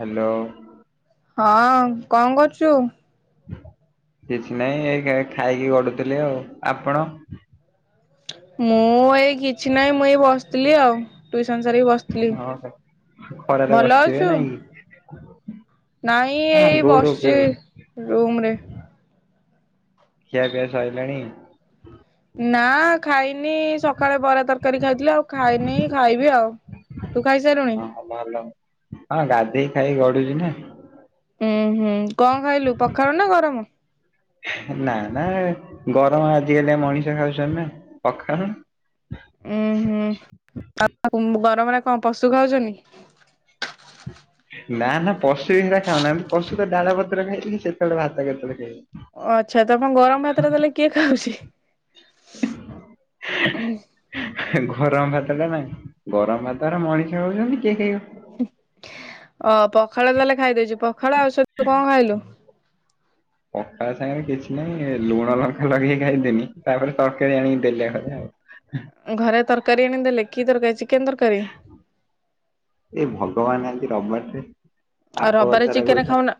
Hello. ହଁ କଣ କରୁଚୁ? କିଛି ନାଇଁ ଏଇ ଖ-ଖାଇକି ଗଢୁଥିଲି ଆଉ। ଆପଣ? ମୁଁ ଏଇ କିଛି ନାଇଁ ମୁଁ ଏଇ ବସିଥିଲି ଆଉ। ଟ୍ୟୁସନ ସାରିକି ବସିଥିଲି। ଓହୋ ଖରାରେ ଭଲ ବସିଥିବେ ଅଛୁ? ନାଇଁକି? ନାଇଁ ଏଇ ବସିଚି ରୁମରେ। ଖିଆ ପିଆ ସଇଲାଣି? ନା ଖାଇନି। ସକାଳେ ବରା ତରକାରୀ ଖାଇଥିଲି ଆଉ ଖାଇନି ଖାଇବି ଆଉ। ତୁ ଖାଇସାରିଲୁଣି? ହଁ ଭଲ। ହଁ ଗାଧେଇ ଖାଇକି ଗଡୁଚୁ ନା? ହୁଁ ହୁଁ କଣ ଖାଇଲୁ ପଖାଳ ନା ଗରମ? ନା ନା ଗରମ ଆଜିକାଲି ଆଉ ମଣିଷ ଖାଉଚନ୍ତି ନାଁ ପଖାଳ ନା। ଉଁ ହୁଁ ଆଉ ଗରମରା କଣ ପଶୁ ଖାଉଚନ୍ତି? ଏହେ ନା ନା ପଶୁ ବି ସେରା ଖାଉନାହାନ୍ତି ପଶୁତ ଡାଳ ପତ୍ର ଖାଇଲି ସେତେବେଳେ ଭାତ କେତେବେଳେ ଖାଇବ। ଓ ଆଚ୍ଛା ତମ ଗରମ ଭାତଟା ତାଲେ କିଏ ଖାଉଚି? [unintelligible] ଗରମ ଭାତଟା ନା ଗରମ ଭାତରା ମଣିଷ ଖାଉଚନ୍ତି। କିଏ ଖାଇବ? ହୁଁ ଅ ପଖାଳ ତାଲେ ଖାଇଦେଇଚ? ପଖାଳ ଆଉ ସଇତ କଣ ଖାଇଲୁ? ପଖାଳ ସାଙ୍ଗରେ କିଛି ନାଇଁ ଲୁଣ ଲଙ୍କା ଲଗେଇକି ଖାଇ ଦେଲି। ତା ପରେ ତରକାରୀ ଆଣିକି ଦେଲେ ଘରେ ଆଉ। ଘରେ ତରକାରୀ ଆଣିଦେଲେ। କି ତରକାରୀ, ଚିକେନ ତରକାରୀ? ହେ ଭଗବାନ ଏମତି ରବବାରେ। ଆଉ ରବାରାରେ ଚିକେନ ଖାଉନା।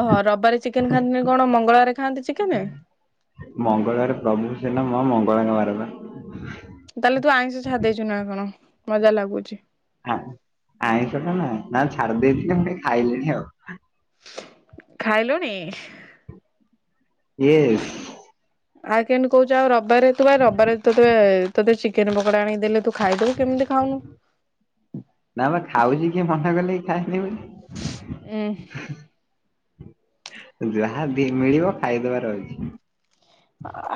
ଓହୋ ରବିବାର ଚିକେନ ଖାଆନ୍ତିନି କଣ ମଙ୍ଗଳବାରେ ଖାଆନ୍ତି ଚିକେନ? ମଙ୍ଗଳବାର ପ୍ରଭୁ ସେନା ମା ମଙ୍ଗଳାଙ୍କ ବାର ବା। ତାହେଲେ ତୁ ଆଇଁଷି ଛାଡି ଦେଇଛୁ ନା କଣ ମତେ ଯାହା ଲାଗୁଛିି। ଆଇଁଷ ଟା ନା ନା ଛାଡି ଦେଇଥିଲି ମୁଇ ଖାଇଲିଣି ଆଉ। ଖାଇଲୁଣି? ଇଏସ। ଆଉ କେମତି କହୁଛୁ ଆଉ ରବିବାରେ ତୁ ରବିବାରେ ତୁ ତୋତେ ଚିକେନ ପକୋଡା ଆଣିଦେଲେ ତୁ ଖାଇଦବୁ କେମିତି ଖାଉନୁ? ନା ବା ଖାଉଛି କିଏ ମନେ କଲେ ଖାଏନି ବୋଲି। ହୁଁ। ଯାହା ମିଳିବ ଖାଇଦବାର ଅଛି।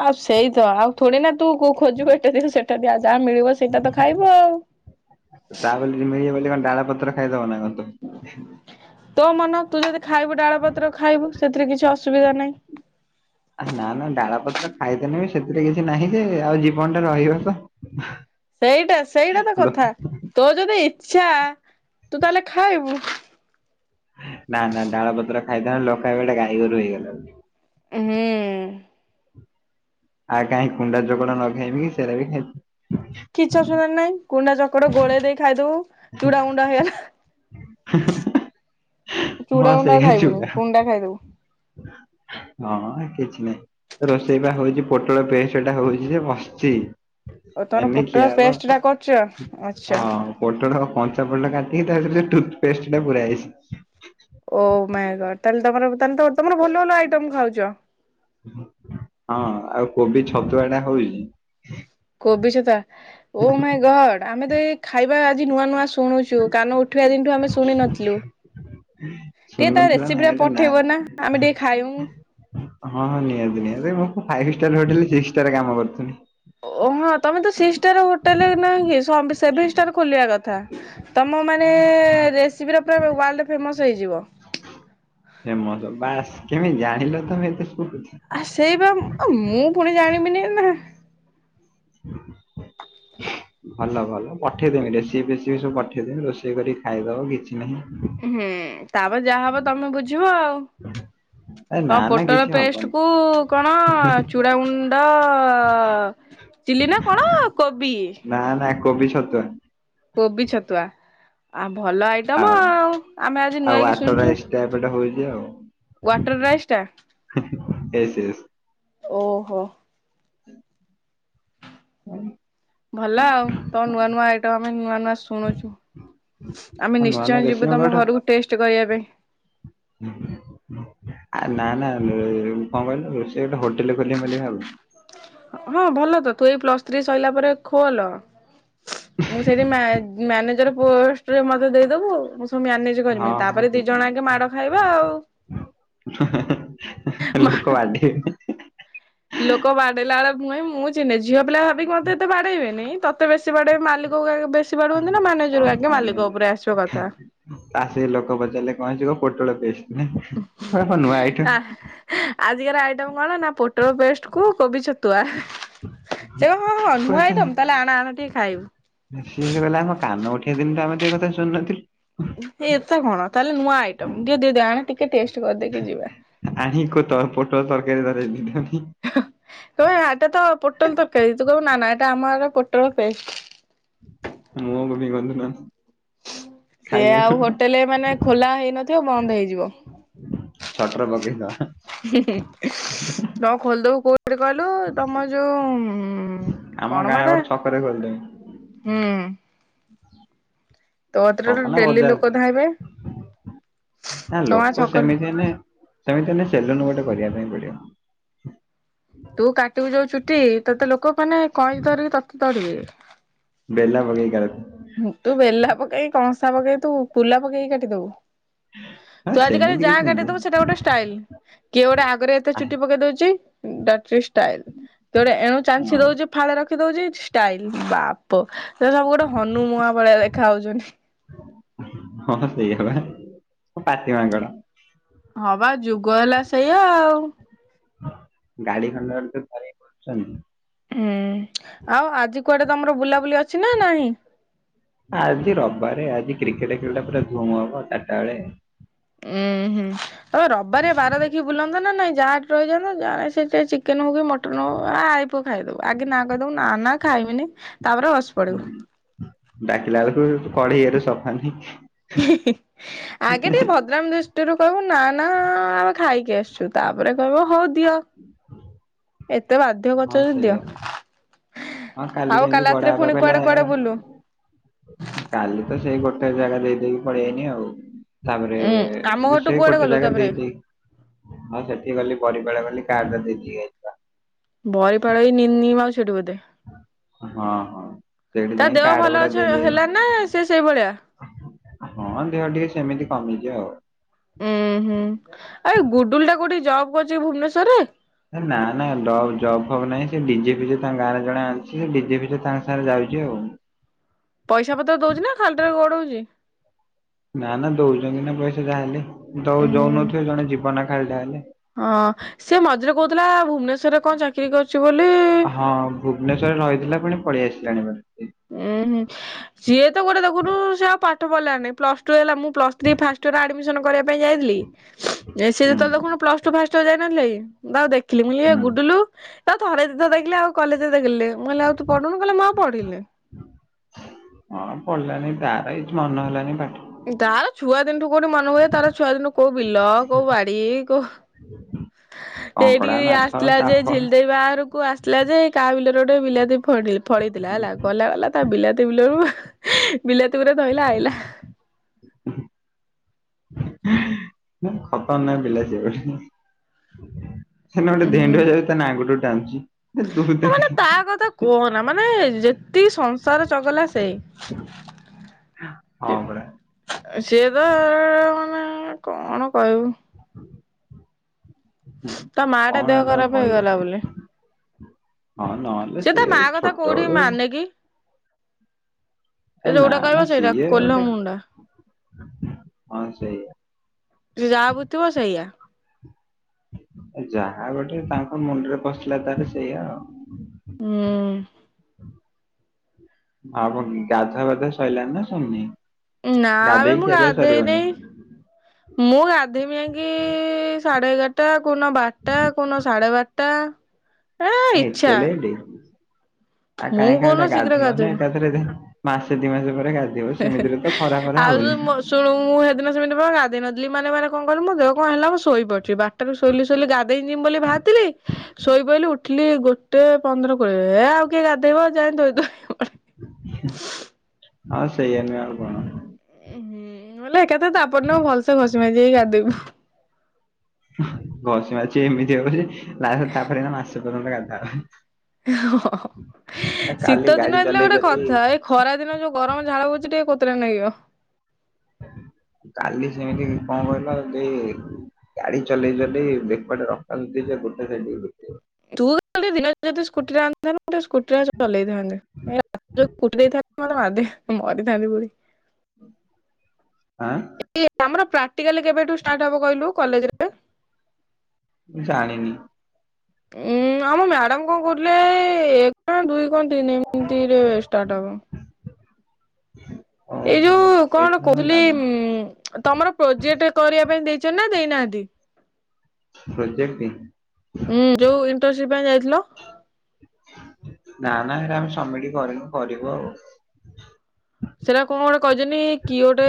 ଆଉ ସେଇ ତ ଆଉ ଥୋଡିନା ତୁ କୋଉ ଖୋଜିବୁ ଏଟା ଦିଅ ସେଟା ଦିଅ। ଯାହା ମିଳିବ ସେଇଟା ତ ଖାଇବୁ ଆଉ। ତା ବୋଲି ମିଳିବ ବୋଲି କଣ ଡାଳ ପତ୍ର ଖାଇଦବ ନା କ ତ। ତୋ ମନ ତୁ ଯଦି ଖାଇବୁ ଡାଳ ପତ୍ର ଖାଇବୁ ସେଥିରେ କିଛି ଅସୁବିଧା ନାହିଁ। ନା ନା ଡାଳ ପତ୍ର ଖାଇଦେନ ବି ସେଥିରେ କିଛି ନାହିଁ ଯେ ଆଉ ଜୀବନଟା ରହିବ ତ। ସେଇଟା ସେଇଟା ତ ଲୋ କଥା ତୋ ଯଦି ଇଛା ତୁ ତାହେଲେ ଖାଇବୁ। ନା ନା ଡାଳ ପତ୍ର ଖାଇଥାନ୍ତି ଲୋକ [unintelligible] ଗାଈଗୋରୁ ହେଇଗଲାଣି। ହୁଁ। ଆଉ କାହିଁ କୁଣ୍ଡା ଜୋକଡ଼ ନ ଖାଇବି କି ସେଇଟା ବି ଖାଇଛି? କିଛି ଅସୁବିଧା ନାଇଁ କୁଣ୍ଡା ଚକଡ଼ ଗୋଳେଇ ଦେଇ ଖାଇଦବୁ ଚୁଡାଗୁଣ୍ଡ ହେଇଗଲା ହା। ହେଁ ହେ ଚୁଡା ହଁ ଗୁଣ୍ଡା ଆଉ ସେୟା ଖାଇବୁନି ଚୂଡ଼ା। କୁଣ୍ଡା ଖାଇଦବୁ। ହଁ କିଛି ନାହିଁ ରୋଷେଇ ବା ହଉଛି ପୋଟଳ ପେଷ୍ଟ ଟା ହଉଛି ଯେ ବସିଛି। ଓ ତମର ଏନେ ପୋଟଳ ଖିଆ ହବ ପେଷ୍ଟ ଟା କରୁଛ ଆଚ୍ଛା। ହଁ ପୋଟଳ କଞ୍ଚା ପଲଟା କାଟିକି ତାରେ ଟୁଥପେଷ୍ଟ ଟା ପୁରା ହେଇଛି ଓ ମାଈ ଗଡ୍ ତାହଲେ ତମର ତା ହେଲେ ତମର ଭଲ ଭଲ ଆଇଟମ ଖାଉଛ। ହଁ ଆଉ କୋବି ଛତୁଆ ଟା ହଉଛି। କୋବିଛତୁଆ ଓ ମାଇ ଗଡ ଆମେ ତ ଏଇ ଖାଇବା ଆଜି ନୂଆ ନୂଆ ଶୁଣି ଶୁଣୁଛୁ କାନ ଉଠିବା ଦିନଠୁ ଆମେ ଶୁଣି ନଥିଲୁ। ଟିକେ ତା ଶୁଣୁନଥିଲା ନା ରେସିପି ଟା ଏଟା ପଠେଇବ ନା ଆମେ ଟିକେ ଖାଉ ହଁ ହଁ ନିହାତି ନିହାତି ମୁଁ ଫ ହୋଟଲିକ୍ କାମ କରୁଥିଲି। ଓ ହଁ ତମେ ସିକ୍ସ ଷ୍ଟାର୍ଟ ହୋଟେଲ ରେ ନାଁ କି ସେଭେନ ଷ୍ଟାର ଖୋଲିବା କଥା। ଆମ ମାନେ ରେସିପିର ପରା ୱର୍ଲ୍ଡ ଫେମସ ହେଇଯିବ। ସେ ମ ବାସ୍ କେମିତି ଜାଣିଲ ତମେ ଏଥି ଆ ସେଇ ବା ମୁଁ ପୁଣି ଜାଣିବିନି ନା। ହଁ ହ ହଁ ଭଲ ଭଲ ପଠେଇଦମି ରେସି ଫସିପି ସବୁ ପଠେଇଦମି ରୋଷେଇ କର ଖାଇଦବ କିଛି ନାହିଁ। ହୁଁ ତାପରେ ଯାହା ହବ ତମେ ବୁଝିବ ଆଉ। ଏ ନା କଣ ନା ପୋଟଳ କିଛି ପେଷ୍ଟ ହବନି କୁକଣ ଚୁଡୁ ହୁଁ ଗୁଣ୍ଡ ତ ଚିଲି ନା କଣ କୋବି। ନା ନା କୋବି ଛତୁଆ। କୋବି ଛତୁଆ ଆ ଭଲ ଆଇଟମ ଆଉ ଆମେ ଆଜି ଆଉ ନୂଆକି ଆଟଟା ଶୁଣିଛୁ। ଏକ୍ସଟ୍ରା ଏପଟେ ହଉଛି ଆଉ ୱାଟର ରାଇସ୍ ଟା। Yes yes. ଓହୋ। ହଁ ଭଲ ଆଉ ତ ନୂଆ ନୂଆ ଆଇଟମ ଆମେ ନୂଆ ନୂଆ ଶୁଣୁଛୁ। ଆମେ ଆଉ ନୂଆ ନୂଆ ନିଶ୍ଚୟ ଯିବୁ ରେସିପି ତମ ଘରକୁ ଟେଷ୍ଟ କରିବା ପାଇଁ। ହୁଁ ହୁଁ। ଆ ନା ନା କଣ କହିଲୁ ରୋଷେଇ ଗୋଟେ ହୋଟେଲ ଖୋଲିରେ ଖିଲିବି ମଲିବ ଆଉ। ହଁ ଭଲ ତ ତୁ ଏଇ ପ୍ଲସ ଥ୍ରୀ ସରିଲା ପରେ ଖୋଲ। ମୁଁ ସେଇଠି ମା ମ୍ୟାନେଜର ପୋଷ୍ଟରେ ମତେ ଦେଇଦବୁ। ମୁ ମ୍ୟାନେଜ ହଁ କରିମି ହଁ ତାପରେ ଦି ଜଣ ବୁଝିଲି। ଆଗେ ମାଡ଼ ଖାଇବା ଆଉ। ମାଡ ଲୋକ ବାଡେଇବେ। ଲୋକ ବାଡ଼େଇ ଲାବେଳେ ମୁ କିଇମି ମୁଁ ଚିହ୍ନିନି ଝିଅ ପିଲା ଭାବିକି ମତେ ଏତେ ବାଡ଼େଇ ବେନି ତତେ ବେଶୀ ବାଡ଼େଇବେ ମାରି [unintelligible] ହଁ ହଁ କଥା। ଆସିକି ଲୋକ ପଚାରିଲେ କଣ ହେଇଚି କ ପୋଟଳ ଫେସ୍ ନା ପୁରା ନୁଆ ଆ ଆଇଟମ୍ ଆଜିକାର ଆଇଟମ କଣ ନା ପୋଟଳ ପେଷ୍ଟ କୁ କୋବି ଛତୁଆ। ସେ ହଁ ହଁ କହିବେ ନୁଆ ସାର୍ ଆଇଟମ ତାହେଲେ ଆନ ଆନ ଟିକେ ଖାଇବୁ। ସେଦିନଟା ଆମେତ ଏ କଥା ଶୁଣି ନଥିଲୁ ଏତେ କଣ ତାହେଲେ ନୂଆ ଆଇଟମ ଦିଅ ଦିଅ ଆଣ ଟିକେ ଟେଷ୍ଟ କରିଦେଇକି ଯିବା। ଆହି କତ ପୋଟଳ ତରକାରୀ ଧରେଇ ଦେଇଥାନ୍ତୁ। ତମେ ଭା ଏଇଟା ତ ପୁଟଳ ତରକାରୀ ତୁ କଇବୁ ନା ନା ଏଇଟା ଆମଆଡ଼େ ପୋଟଳ ଫେଷ୍ଟ। [unintelligible] ସେ ଖାଇବାକୁ ଆଉ ହୋଟେଲ୍ ମାନେ ଖୋଲା ହେଇନଥିବ ବନ୍ଦ ହେଇଯିବ। ସଟର୍ ପକେଇଦବା। ହୁ ହୁ ନ ଖୋଲଦଉ କ କୋଉଠି କହିଲୁ ତମ ଯୋଉ ଉ ଆମ ଗାଁ କଣମ ଏଟା ଗୋଟେ ଛକରେ ଖୋଲିଦେବି। ହୁଁ। ତୋ କତିରେ ତ ଛକନା ଡେଲି ଲୋକ ଧାଇଁବେ ବଜାର ନା ତମ ଗାଁ ଲୋକ ଛକରେ ସେମିତି ନେ ସେମିହେଲେ ସେଲୁନ ଗୋଟେ କରିବା ପାଇଁ ପଡ଼ିବ। ତୁ କାଟିବୁ ଯୋଉ ଚୁଟି ତତେ ଲୋକ ମାନେ କଇଁଚି ଧରିକି ତତେ ତଡ଼ିବେ। ବେଲା ପକେଇକି କା ତୁ ବେଲା ପକେଇକି କଂସା ପକେଇକି ତୁ କୁଲା ପକେଇକି କାଟିଦବୁ। [inaudible] ତୁ ଆଜିକାଲି ସେମିତି ଯାହା କିଛି ନାହିଁ ଯେ। କାଟିଦବୁ ସେଇଟା ଗୋଟେ ଷ୍ଟାଇଲ କିଏ ଗୋଟେ ଆଗରେ ଏତେ ଆ, ଚୁଟି ପକେଇ ଦଉଚି ଡା ଷ୍ଟାଇଲ କିଏ ଗୋଟେ ଏଣୁ ଚାନ୍ଛିଦଉଚି ଫାଳେ ର ଖି ଦଉଚି ଷ୍ଟାଇଲ ବାପ ସେ ସବୁ ଗୋଟେ ହନୁମୁହା ଭଳିଆ ଦେଖା ହଉଚନ୍ତି। ହଁ ସେଇଆପା ପାତି ମାଙ୍କଡ଼। ହପା ଯୁଗ ହେଲା ସେଇଆ ଆଉ। ଗାଡ଼ି ଖଣ୍ଡେ ଖଣ୍ଡେ ତ ଧରିକି ବୁଲୁଛନ୍ତି। ହୁଁ ଆଉ ଆଜି କୁଆଡ଼େ ତମର ବୁଲାବୁ ଆଜି ରବିବାରେ ଆଜି କ୍ରିକେଟ୍ ଖେଳଟା ପୁରା ଧୁମ୍ ହବ ଚାରିଟା ବେଳେ। ଉୁଁ ହୁଁ ଆବେ ରବିବାରେ ବାର ଦେଖି ବୁଲନ୍ତ ନା ନାଇଁ। ଯାହା ରହିଯାନ୍ତ ଯା ସେ ଚିକେନ ହୋଉ କିି ମଟ ଟନ ହୋଉ ବା ଆଇପୁଅ ଖାଇଦବୁ ଆଗେ ନା କହିଦବୁ ନା ନା ଖାଇମିନି ତାପରେ ବସି ହୁଁ, ପଡ଼ିବୁ। ଡାକିଲା ବେଳକୁ ପଢ଼େଇ ଏଡ଼ୁ ସଫା ଆଗେ ଟିକେ ଭଦ୍ରାମି ଦୃଷ୍ ଟିରୁ କହିବୁ ନା ନା ଆମେ ଖାଇକି ଆସିଚୁ ତାପରେ କହିବୁ ହଉ ଦିଅ ଏତେ ବାଧ୍ୟ କରୁଚ ହଁ ଯଦି ଦିଅ। ସେଇଆ। ହଁ କାଲି ଆଉ ଯେମିତି ବଡ଼ ରାତିରେ ବାପା ପୁଣି କହିଲେ କୁଆଡେ କୁଆଡେ ବୁଲୁ? କାଲି ତ ସେଇ ଗୋଟେ ଜାଗା ଦେଇଦେଇକି ପଳିଆଇନି ଆଉ। ତାପରେ ଉଁ ଆମ ଘରଠୁ ସେଇ କୁଆଡେ ଗୋଟେ ଗଲୁ ଜାଗା ତାପରେ ଦେଇଦେଇ ହଁ ସେଠି ଗଲି ବରିପାଳ ଗଲି କାର୍ଡ଼ ଟା ଦେଇକି ଯାଇଥିଲା। ବରିପାଳ ଏଇ ନିନି ମାଉସୀ ଏଠି ବୋଧେ। ହଁ ହଁ। ସେଇଠି ତା ଯାଇ ଦେହ କାର୍ଡ ଭଲ ଗୁଡା ଅଛି ଦେଇଦେଇ ହେଲାଣିନା ସେ ସେଇ ଭଳିଆ। ହଁ ଦେହ ଟିକେ ସେମିତି କମିଚି ଆଉ। ଉୁଁ ହୁଁ ଆଉ ଗୁଡୁଲ ଟା କୋଉଠି ଜବ୍ କରୁଛି ଭୁବନେଶ୍ଵରରେ। ନା ନା ଡବ ଜବ୍ ହବ ନାହିଁ ସେ ବିଜେପି ଯେ ତାଙ୍କ ଗାଁ ରେ ଜଣେ ଅଛି। ସେ ଡିଜେପିରେ ତାଙ୍କ ସାଙ୍ଗରେ ଯାଉ [unintelligible] ପଇସା ପତ୍ର ଦଉଚି ନା ଖାଲିଟାରେ ଗୋଡଉଚି। ନା ନା ଦଉଚନ୍ତି ନା ପଇସା ଯା ହେଲେ। ଉଁ ହୁଁ ହେଲେ। ହଁ ସେ ମଝିରେ କହୁଥିଲା ଭୁବନେଶ୍ଵର କଣ ଚାକିରି କରୁଚି ବୋଲି। ହଁ ଭୁବନେଶ୍ବର ରେ ରହିଥିଲା ପୁଣି ପଳେଇ ଆସିଲାଣିବି। ଉୁଁ ହୁଁ ସିଏ ତ ଗୋଟେ ଦେଖୁନୁ ସେ ଆଉ ପାଠ ପଢିଲାନି। ପ୍ଲସ ଟୁ ହେଲା ମୁଁ plus three first year admission କରିବା ପାଇଁ ଯାଇଥିଲି। ସେ ହୁଁ ତ ଦେଖନୁ ପ୍ଲସ ଟୁ ଫାଷ୍ଟ ଇଅର ଯାଇନଥିଲାକି? ଆଉ ଦେଖିଲି ମୁଁ କକହିଲି ହେ ହୁଁ। ଗୁଡଲୁ ଆଉ ଥରେ ଦି ଥର ଦେଖିଲି। ଆଉ କଲେଜରେ ଲେ ମୁଁ କହିଲି ଆଉ ତୁ ପଢୁନୁ କହିଲା ମୁଁ ଆଉ ପଢିଲିନି। ହଁ ପଡିଲାନି ତାର ଏଇ ମନ ହେଲାନି। ପା ତାର ଛୁଆ ଦିନଠୁ କୋଉଠି ମନେ ହୁଏ। ତାର ଛୁଆ ଦିନୁ କୋଉ ବିଲ କୋଉ ବାଡି କୋଉ ସେ କଙ୍କଡା ଏଇଠିକି ମାଛ ଆସିଥିଲା ଯେ ସାପ ଝିଲ ଦେଇ ବାହାଘରକୁ ଆସିଥିଲା ଯେ କାହା ବିଲରେ ଗୋଟେ ବିଲାତି କୋଉଠି ଫଳିଥିଲା ହେଲା ଗଲା କଲା ତା ବିଲାତି ବିଲରୁ ବିଲାତି ଗୁରା ଧଇଲା ଆଇଲା। ଖତର ନାକ ବିଲାତି ବାଡି। ସେଦନି ଉଁ ଧେଣ୍ଡୁଅଟାକୁ ତା ନାଙ୍ଗୁଡଟାକୁ ଟାଣୁଚି। ମାନେ ତା କଥା କୁହନା ମାନେ ଯେତିକି ସଂସାର ଚଗଲା ସେଇ। ହଁ ପରା। ସିଏ ତ ମାନେ କଣ କହିବୁ? ତା ମା ଟା କଣ ଦେହ ଏଟା ଆଉ ତାକୁ ଖରାପ ହେଇଗଲା କହିବି ବୋଲି? ହଁ ନହେଲେ ସେ ତା ସିଏ ମା କଥା କୋଉଠି ଛୋଟବେଳୁ ମାନେକି? ଏ ନା ନା ସେଇଟା ସିଏ କୋଲ ଗୋଟେ ମୁଣ୍ଡା। ହଁ ସେଇଆ। ସିଏ ଯାହାବୁଝିଥିବ ସେଇଆ। ଯାହା ଗୋଟେ ତାଙ୍କ ମୁଣ୍ଡରେ ପଶିଲା ତାର ସେଇଆ ଆଉ। ହୁଁ। ଆଉ କଣ ଗାଧୁଆ ପାଧୁଆ ସଇଲାଣିି ନା ଶରିନି। ନା ବେ ମୁଁ ଗାଧେଇନେଇ। ମୁଁ ଗାଧେଇମି ଯାଇକି ସାଢେ ଏଗାରଟା କୋଉଦୁନ ବାରଟା କୋଉଦିନ ସାଢେ ବାରଟା। ଏ ଆ ଇଚ୍ଛା ଏତେ ଲେଟ ଆଉ ମୁଁ କାଇଁ କୋଉଦିନ ଖାଲଟା ଶୀଘ୍ର ଗାଧେଇବନି ଗାଧେଇମି। ଏକାଥରେ ମାସେ ଦି ମାସ ପରେ ଗାଧେ ହେ ହେ ଆଉ ମୋ ଶୁଣୁ ମୁ ହେଦିନ ସେମିତି ଗାଧେଇ ନ ଲି ମାନେ ମାନେ କଣ କହିଲୁ ମୋ ଦେହ କଣ ହେଲା ମୁଁ ଶୋଇ ପଡଚି। ବାରଟାରୁ ଶୋଇଲି ଶୋଇଲି ଗାଧେଇ ଯିମି ବୋଲି ଭାରିଥିଲି। ଶୋଇପଇଲି ଉଠିଲି ଗୋଟେ ପନ୍ଦର କୋଡିଏ ଏ ଆଉ କିଏ ଗାଧେଇବ। ଯାଏଁ ଧୋଇ ଧୁଆ ହେଇ ହଁ ସେଇଆ ନୁହଁ ଆଉ କଣ? ହୁଁ। କହିଲା ଏକାଥରେ ତାପର ଦିନ ଭଲସେ ଘଷି ମାଜି ହେଇକି ଗାଧେଇବୁ। ସେ ଏମିତି ହବ ବୋଲି ନା ତାପରେ ମାସେ ପର୍ଯ୍ୟନ୍ତ ଗାଧାନା। ହଁ। କାଲି ଶୀତ ଗାଡି ଦିନ ହେଇଥିଲେ ଚଲେଇ ଗୋଟେ ଚଲେଇ କଥା। ଏଇ ଖରା ଦିନ ଯୋଉ ଗରମ ଝାଳ ବହୁଛି ଟିକେ କୋତରା ନାଗିବ। ଓହ କାଲି ସେମିତି କଣ କହିଲ ଯେ ଗାଡି ଚଲେଇ ଚଲେଇ ବେକଟା ରକା [unintelligible] ସେ [unintelligible] ତୁ ଖାଲି ଦିନ ଯଦି ସ୍କୁଟିରେ ଆଣିଥାନ୍ତୁ ମୁଁ ଟିକେ ସ୍କୁଟିରେ ଚଲେଇଥାନ୍ତି। ଏ କରିଥାନ୍ତି ପୁରୀ ଆଁ ଆମର ପା ପ୍ରାକ୍ଟିକାଲି କେବେଠୁ ଷ୍ଟାର୍ଟ ହେବ କହିଲୁ କଲେଜରେ। ମୁଁ ଜାଣିନି? ଉଁ ଆମ ମ୍ୟାଡାମ କଣ କରୁଥିଲେ ଏକ ନା ଦୁଇ ଇ ତିନିରେ ଷ୍ଟାର୍ଟ ହବ। ଏଇ ଓହୋ। ଯୋଉ କଣ ଏଇଥିପାଇଁ ମୁଁ କହୁଥିଲି ଜାଣିନି। ଉଁ ତମର ପ୍ରୋଜେକ୍ଟ କରିବା ପାଇଁ ଦେଇଛନା ଦେଇନାହାନ୍ତି। ହ। ହୁଁ ଯୋଉ ଇଣ୍ଟରସିପ ପାଇଁ ଯାଇଥିଲ। ନା ନା ହେଟା ଆମେ ସମିଟି କରିନୁ କରିବୁ ଆଉ। ସେଟା କଣ ଗୋଟେ କହିଛନ୍ତି କିଏ ଗୋଟେ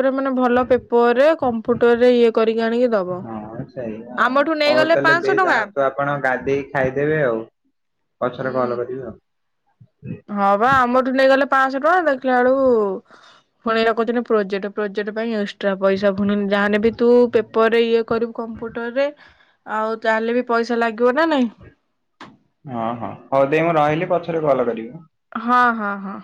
ପୁରା ମାନେ ଭଲ ପେପରରେ କମ୍ପ୍ୟୁଟର ରେ ଇଏ କରିକି ଆଣିକି ଦବ। ହଁ ସେଇ ଆମଠୁ ହଉ ନେଇଗଲେ ତାହେଲେ ପାଁଶହ ଦେଇ ଟଙ୍କା। ଯାଆନ୍ତୁ ଆପଣ ଗାଧେଇ ଖାଇଦେବେ ଆଉ। ପଛରେ ଉଁ କଲ କରିବି ଆଉ। ହଁ ବା ଆମଠୁ ନେଇଗଲେ ପାଆଁଶହ ଟଙ୍କା ଦେଖିଲା ବେଳୁ ପୁଣି ରଖୁଛନ୍ତି ପ୍ରୋଜେଟ ପ୍ରୋଜେଟେ ପାଇଁ ଇ ଷ୍ଟ୍ରା ପଇସା ଭୁନି ଯାହାେ ବି ତୁ ପେପର ରେ ଇଏ କରିବୁ କମ୍ପୁଟରରେ। ଆଉ ତାହେଲେ ବି ପଇସା ଲାଗେ ହଁ ହଁ ହଉ ଦେଇ ମୁଁ ରହିଲି ପଛରେ କଲ କରିବି। ହଁ ହଁ ହଁ।